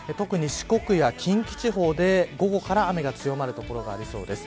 四国や近畿地方で午後から雨が強まる所がありそうです。